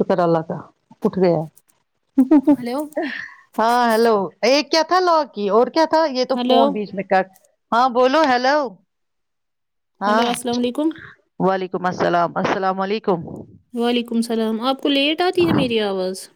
شکر اللہ کا ہلو [unintelligible] کیا تھا لا کی اور کیا تھا یہ تو ہلو فون بیچ میں کاک ہاں بولو ہیلو ہلو ہاں السلام علیکم و ولیکم السل السل علیکم وعلیکم السلام آپ کو لیٹ آتی ہے میری آواز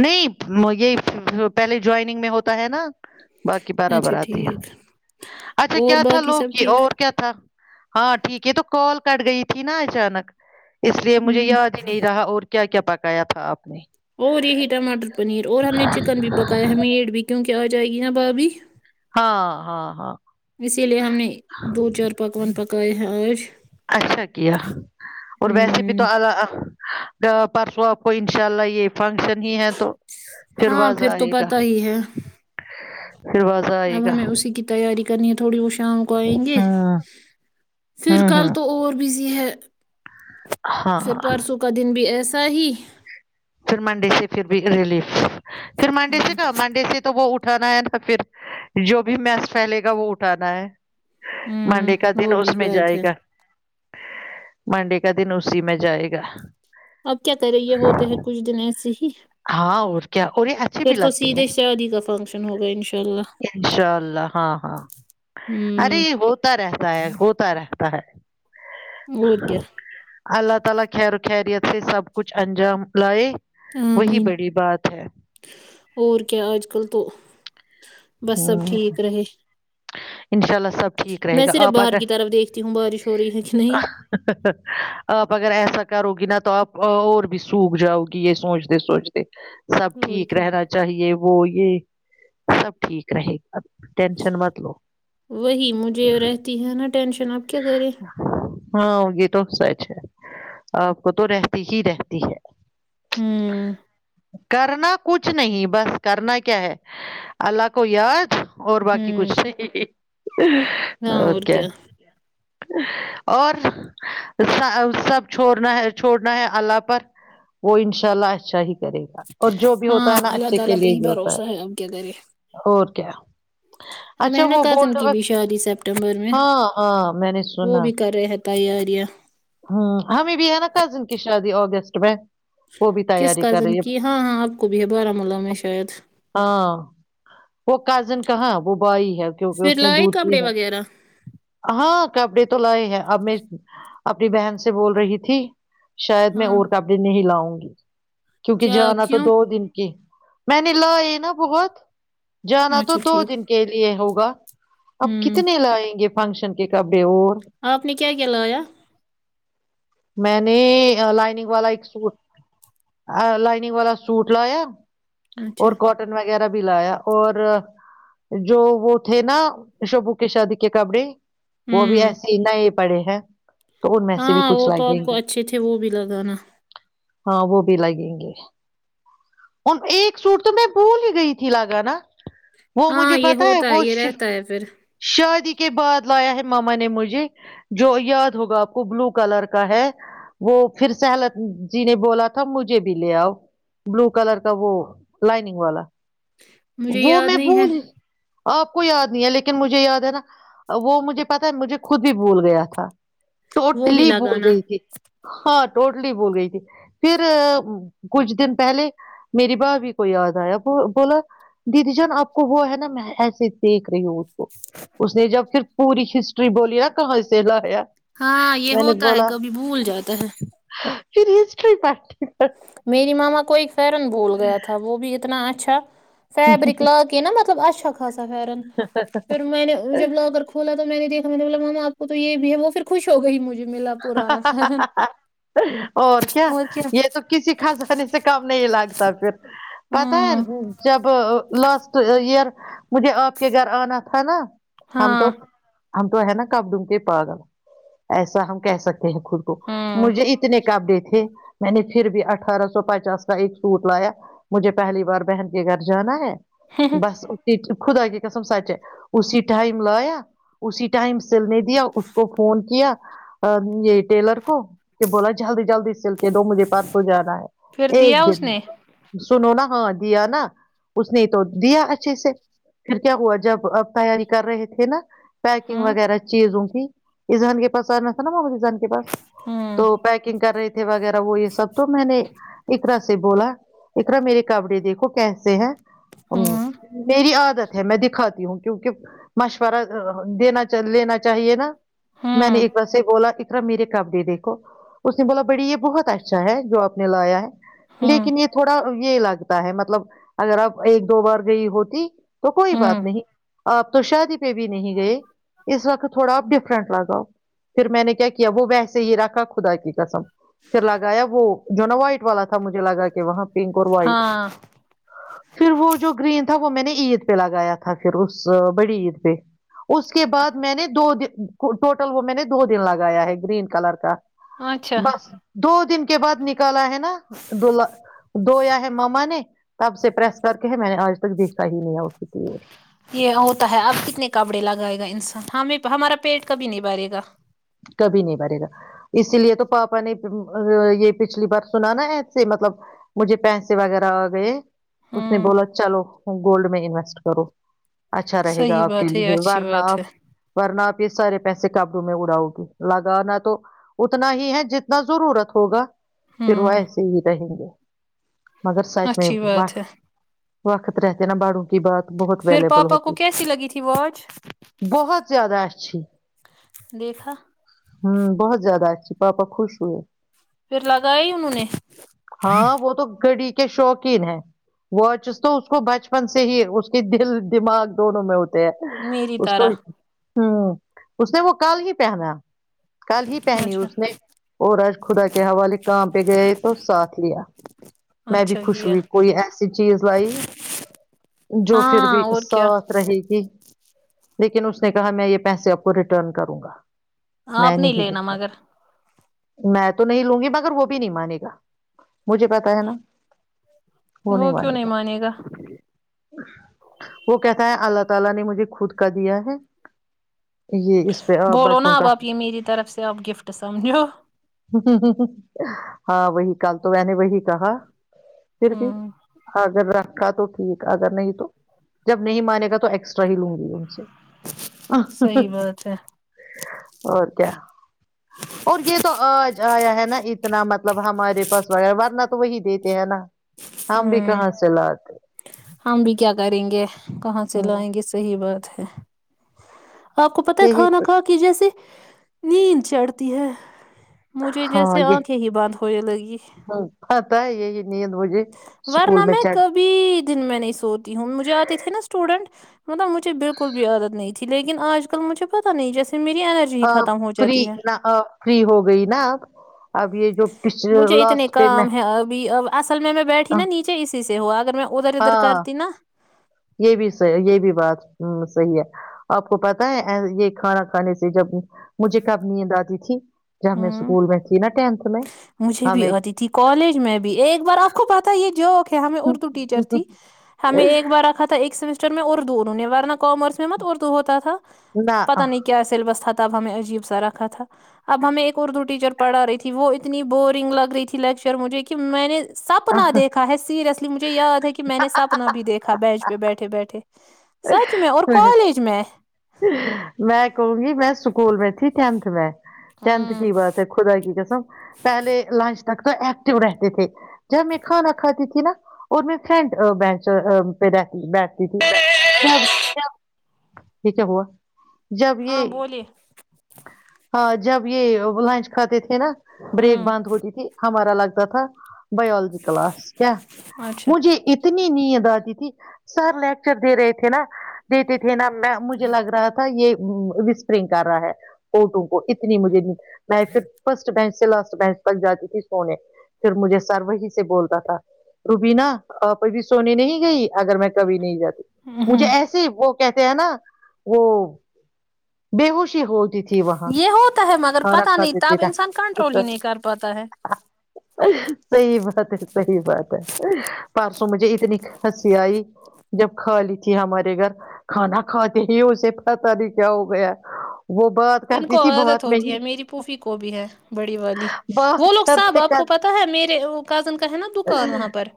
نہیں یہ پہلے جوائننگ میں ہوتا ہے نا باقی اچھا برابر آتی ٹھیک اچھا اور کیا تھا باقی لوگ سب کی ٹھیک اور کیا تھا ہاں ٹھیک ہے تو کال کٹ گئی تھی نا اچانک اس لیے مجھے ہوں یاد ہی نہیں رہا اور کیا کیا پکایا تھا آپ نے اور یہی ٹماٹر پنیر اور ہم نے چکن بھی پکایا ہے میڈ بھی کیونک آ جائے گی نا بھابھی ہاں ہاں ہاں اسی لیے ہم نے دو چار پکوان پک [unintelligible] اچھا کیا اور ویسے بھی تو ہوں ال [unintelligible] پرسوں آپ کو انشاء اللہ یہ فنکشن ہی ہے تو پھر ہاں واز تو آئے گا پتا ہی ہے دھرروازہ آئے اب گا ہمیں اسی کی تیاری کرنی ہے تھوڑی شام کو آئیں گے ہوں پھر ہوں کل ہوں تو اور بزی ہے پھر ہاں پرسوں کا دن بھی ایسا صی پھر منڈے سے پھر بھی ریلیف پھر مانڈے ہوں سے کہ مانڈے سے تو وہ اٹھ اٹھانا ہے نہا پھر جو بھی میس پھیلے گا وہ اٹھانا ہے ہوں منڈے کا دن وہ بھی اس میں بات جائے ہے گا منڈے کا دن اسی میں جائے گا اب کیا کر رہی ہے ہوتے ہے کچھ دن ایسے ہی ہاں اور کیا اور یہ اچھی بھی پھر تو لگتی ہے سیدھے شادی کا فنکشن ہوگا انشاءاللہ انشاء اللہ ہاں ہاں ارے ہمم یہ ہوتا رہتا ہے ہوتا رہتا ہے اور کیا اللہ تعالی خیر خیریت سے سب کچھ انجام لائے وہی عامئین بڑی بات ہے اور کیا آج کل تو بس سب ٹھیک رہے انشاء اللہ سب ٹھیک رہے میں گا صرف آپ باہر اگر کی طرف دیکھتی ہوں بارش ہو رہی ہے کہ نہیں آپ اگر ایسا کرو گ نہ تو تو آپ اور بھی سوک جاؤ گی یہ سوچتے سوچتے سب اور ٹھیک کیا رہنا چاہیے وہ یہ سب ٹھیک رہے گ وہی مجھے رہتی ہے نا ٹینشن آپ کیا کریں ہاں یہ تو سچ ہے آپ کو تو رہتی ہی رہتی ہے ہمم [inaudible] کرنا کچھ نہیں بس کرنا کیا ہے اللہ کو یاد اور باقی کچھ ہمم ہاں ر کیا اور س سب چھوڑنا ہے چھوڑنا ہے اللہ پر وہ ان شاء اللہ اچھا ہی کرے گا اور جو بھی ہوتا ہاں ہے نا اللہ اچھے کے تعالی پہ لیے ہی ہوتا بھروسہ ہے اب کیا کرے اور کیا ہمیں اچھا ہے نا وہ کزن گولڈ کی بھی شادی سپٹمبر میں ہاں ہاں میں نے وہ سنا بھی کر رہے ہیں تیاریاں ہ ہمیں بھی ہے نا کزن کی شادی اگستٹ میں وہ بھی کس تیاری کر کزن رہی کی ہے ہاں ہاں آپ کو بھی ہے بارامولہ میں شاید ہاں وہ کازن کہاں وہ وہی ہے کیونکہ پھر اس نے لائے ڈوٹی کپڑے ہے وغیرہ ہاں کپڑے تو لاے ہے اب اپنی بہن سے بول رہی تھی شاید میں ہاں اور کپڑے نہیں لاؤں گی جی کیونکہ کیا جانا تو کیوں دو دن کی میں نے لا یہ نہ بہت جانا تو اچھا دو ٹھیک دن کے لیے ہوگا وہ اب ہوں کتنے لائیں گے فنکشن کے کب بی اور آپ نے کیا کیا لایا میں نے لائننگ والا ایک سوٹ لائننگ والا سوٹ لایا اچھا اور کوٹن وا وغیرہ بھی لایا اور جو وہ تھے نہ شبو کے شادی کے کپڑے وہ ابھی ہوں ایسے ہی نیے پڑے ہیں تو ان میں سے بھی ہاں کچھ وہ تو لگیں آپ کو گے اچھے تھے وہ بھی لگانا ہاں وہ بھی لگیں گے اور ایک سوٹ تو میں بھول ہی گئی تھی لگانا وہ ہاں مجھے یہ پتا ہے ہوتا وہ یہ رہتا ہے پھر شادی کے بعد لایا ہے ماما نے مجھے جو یاد ہوگا آپ کو بلو کلر کا ہے وہ پھر سہلت جی نے بولا تھا مجھے بھی لے آؤ بلو کلر کا وہ لائننگ والا مجھے وہ یاد میں نہیں ہے بھول ہی آپ کو یاد نہیں ہے لیکن مجھے یاد ہے نہ وہ مجھے پتا ہے مجھے خود ہی بھول گیا تھا وہ بھی لی بھول لگانا گئی تھی ہاں ٹوٹلی بھول گئی تھی پھر کچھ دن پہلے میری بھا بی کو یاد آیا بولا دیدی جان آپ کو وہ ہے نہ میں ایسے دیکھ رہی ہوں اس نے جب پھر پوری ہسٹری بولیا کہاں سے لایا ہاں یہ میں نے ہوتا ہے بولا کبھی بھول جاتا ہے پھر ہسٹری پٹ میری ماما کوئی فرن بول گیا تھا وہ بھی اتنا اچھا [inaudible] فیبرکلا کے نا مطلب اچھا رن پھر میں نے جب لاکر کھولا تو میں نے دیکھ نے ب مام آپ کو تو یہ بھی ہے وہ پھر خوش ہو گئی مجھے ملا پرانا اور کیا یہ تو کسی کزانے سے کم نہیں لگتا پھر پتا ہے ہوں جب لاسٹ ایئر مجھے آپ کے گھر آنا تھا نا ہم تو ہاں ہم تو ہے نا کپڑے کے پا گل۔ ایسا ہم کہہ سکتے وہ خود کو ہاں مجھے اتنے کام دیتے تھے میں نے پھر بھی اٹھارہ سو پچاس کا ایک سوٹ لایا مجھے پہلی بار بہن کے گھر جانا ہے بس ا خدا کی قسم سچ ہے اسی ٹائم لایا اسی ٹائم سلنے دیا اس کو فون کیا یہ ٹیلر کو کہ بولا جلدی جلدی جلدی دو مجھے پر سو جانا پھر ہے دیا ایک اس دن نے میں سنو نا ہاں دیا نا اس نے تو دیا اچھے سے پھر کیا ہوا جب آپ تیاری کر رہے تھے نا پیکنگ ہوں وغیرہ چیزوں اذہان کے پاس آنا سنا ہوگی پاس ہوں تو پنگ کر رہی وغیرہ وہ یہ سب تو میں نے اقرا سے بولا اقرا میرے کپڑے دیکھو کیسے ہیں ہ ہوں میری عادت ہے میں دکھاتی ہوں کیونکہ مشورہ دینا لینا چاہیے نا میں نے ہوں ایک سے بولا اقرا میرے کپڑے دیکھو اس نے بولا بڑی یہ بہت اچھا ہے جو آپ نے لایا ہے ہوں لیکن یہ تھوڑا یہ لگتا ہے مطلب اگر آپ ایک دو بار گئی ہوتی تو کوئی بات ہوں نہیں آپ تو شادی بھی نہیں گئے اس وقت تھوڑا ڈف فرنک لگاؤ پھر میں نے کیا کیا وہ ویسے ہی رکھا خدا کی قسم چلاگایا وہ جنوائ والا تھا مجھے لگا کہ وہاں پنک اور وائٹ ہاں پھر وہ جو گرین تھا وہ میں نے عید پہ لگایا تھا پھر اس بڑی عید پہ اس کے بعد میں نے دو د ٹوٹل وہ میں نے دو دن لگایا ہے گرین کلر کا اچھا بس دو دن کے بعد نکالا ہے نا دلہ دھویا ہے ماما نے تب سے پس کر کے ہے میں نے آج تک دیکھا ہی نہیں آ یہ ہوتا ہے اب کتنے کپڑے لگائے انسان ہمیں ہمارا پیٹ کبھی نہیں بھرے گا کبھی نہیں بھرے گا اسی لیے تو پاپا نے یہ پچھلی بار سنا نا ایسے مطلب مجھے پیسے وغیرہ آ گئے اس نے ہوں بولا چلو گولڈ میں انویسٹ کرو اچھا رہے گا صحیح آپ کے بات ہے یہ لیے اچھی بات ہے ورنپ ورنپ پ سار پیسے قابووں میں اڑاؤ لگانا تو اتنا ہی ہے جتنا ضرورت ہوگا شروع ہوں ایسے ہی رہیں گے مگر سچ میں اچھی وق بات ہے وقت رہتے نہا باڑو بات بہت پھر ویلیبل پاپا ہوتی کو کیسی لگی تھی واچ بہت زیادہ اچھی دیکھا ہوں بہت زیادہ پاپا خوش ہوئے پھر لگا ہی اننہوں نے ہاں وہ تو گھڑی شوقین ہے واچز تو اس کو بچپن سے ہی اس کی دل دماغ دونوں میں ہوتی میری اس کو طرح ہ اس نے وہ کال ہی پہناا کل ہی پہنی اچھا اس نے اور آج خدا کے حوالے کام پہ گئے تو ساتھ لیا میں بھی اچھا خوش کیا ہوئی کوئی ایسی چیز لائی جو پھر بھی ہاں اور کیا صاف رہے گی لیکن اس نے کہا میں یہ پیسے آپ کو ریٹرن کروں گا آپ میں نہیں لوں لینا گا مگر میں تو نہیں لوں گی مگر وہ بھی نہیں مانے گا مجھے پتا ہے نا وہ نہیں کیوں معانتا مانے گا وہ کہتا ہے [unintelligible] اس پہ بولو بچوں نا اب کا آپ یہ میری طرف سے آپ گفٹ سمجھو ہاں وہی کل تو میں نے وہی کہا پھر بھی ہوں آ گبرا کا تو ٹھیک اگر نہیں تو جب نہیں مان گا تو ایکسٹرا ہی لوں گی ان سے صحیح بات ہے اور کیا اور یہ تو آیا ہے نا اتنا مطلب ہمارے پاس وغیرہ ورنہ تو وہی دیتے یہ ہے نا ہم بھی ہ کہاں سے لاتے ہم بھی کیا کریں گے کہاں سے ہوں لائیں گے صحیح بات ہے آپ کو پت ہے یہی کھانا تو کھا کی جیسے نیند چڑھتی ہے مجھے ہاں جیسے یہ آنکھیں ہی بانند ہونے لگی ہوں، پتا ہے یہی نیند مجھے اسکول ورنہ میں چڑھ کبھی دن میں نہیں سوتی ہوں مجھے آتے تھے نا اسٹوڈینٹ ہ [inaudible] مطلب مجھےالکل بھی عادت نہیں [inaudible] آج کل مجھے پتا نہیں جیسے میری انرجی ہی ہ ختم ہو فری جاتی ہے نہ فری ہو گئی نا اب یہ جو پچھ مجھے لاسٹ اتنے پہ میں کام ہے ابھی اب اصل میں میں بیٹھی نا نیچے اسی ہوا اگر میں ادھر ادھر ہاں کرتی نا یہ بھی یہ بھی بات ہ صحیح ہے آپ کو پت ہے یہ کھانا کھانے سے جب مجھے کبنی دادی تھی میں ہوں سکول بیٹھی نا [inaudible] مجھے بھی ہمیں آتی تھی کالج میں بھی ایک بار آپ کو پتا یہ جو کہ ہمیں اردو ٹیچر تھی ہمیں ایک بار رکھا تھا ایک سمیسٹر چل میں اور دور ہوںی بار نہ کامرس میں مت اردو ہوتا تھا نہ پتا نہیں کیا سلیبس تھا ب ہمیں عجیب سا رکھا تھا اب ہمیں ایک اردو ٹیچر پڑا رہی تھی وہ ا اتنی بورنگ لگ رہی تھی لیکچر مجھے کہ میں نے سپنا دیکھا ہے سیریسلی م یاد ہے کہ میں نے سپنا بھی دیکھا ا بیینچ پہ بیٹھے بیٹھے سچ میں اور کالج میں میں کہوں گی میں اسکول میں تھی تینٹھ میں ٹینٹھ ہوں کی بات ہے خدا کی قسم پہلے لنچ تو ایکٹو رہتے تھے جب میں کھانا کھاتی تھی نا اور میں فرینڈ بینچ پہ رہ بیٹھتی تھی یہ کیا ہوا جب ہاں یہ بولیے ہاں جب یہ لنچ کھاتے تھے نا بریک ہوں بند ہوتی تھی ہمارا ا لگتا تھا بائیولوجی کلاس کیا اچھا مجھے اتنا اتنی نیند آتی تھی سر لیک ر دی رہے تھے نا دیتے تھے نا مجھے لگ رہا تھا یہ وسپرنگ کر رہا ہے اٹوں کو اتنی مجھے ن میں خود فرسٹ بینچ سے لاسٹ بینچ تک جاتی تھی سونے پھر مجھے سر وہی سے بولتا تھا روبینا آپ ابھی سونے نہیں گئی اگر میں کبھی نہیں جاتی مجھے ہوں ایسے ھی و کھیتی حینا و بیہوش ہوتی تھی وہاں یہ ہوتا ہے مگر کھانا پتا نہیں کھاتے تھے تب نا انسان کنٹرول ہی پیر نہیں کر پاتا ہے سحی بات ہے سحی بات ہے پر مجھے اتنی ہنسی آئی جب کھا لی تھی ہمارے گھر کھانا کھاتے ہی اسے پتا نہیں کیا ہو گیا وہ بات ان کرتی کو تھی عادت بہت ہوتی ہے میری پوفی کو بھی ہے بڑی والی بات وہ لوگ سب کرتے آپ کو کرتے پتا ہے میرے کاوشیں کا ہے نا دکان وہاں پر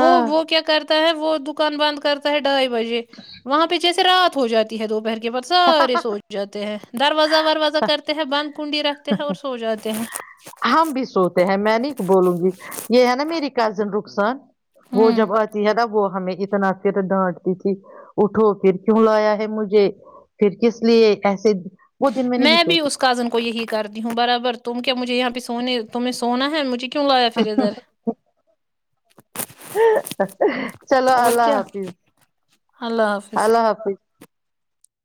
وہ ہاں وہ کیا کرتا ہے وہ دکان بند کرتا ہے ڈھائی بجے وہاں پہ جیسے رات ہو جاتی ہے دوپہر کے سارے سوچ جات دروازہ وروازہ کرتے ہیں بند کنڈی رکھتے ہیں اور سو جاتے ہیں ہم بھی سوتے ہیں میں نہیں بولوں گی یہ ہے نا میری کزن رک [unintelligible] وہ ہوں جب آتی ہے نا وہ ہمیں اتنا پھر ڈانٹتی تھی اٹھو پھر کیوں لایا ہے مجھے پھر کس لیے ایسے وہ دن نہیں میں بھی سوتی اس کزن کو یہی کر دی ہوں برابر تم کیا مجھے یہاں پہ سونے تمہیں سونا ہے مجھے کیوں لایا پھر ادھر چلو اور اللہ کیا حافظ اللہ حافظ